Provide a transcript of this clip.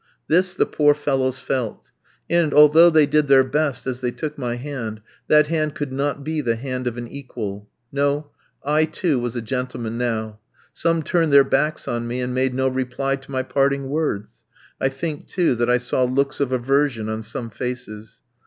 This the poor fellows felt; and, although they did their best as they took my hand, that hand could not be the hand of an equal. No; I, too, was a gentleman now. Some turned their backs on me, and made no reply to my parting words. I think, too, that I saw looks of aversion on some faces.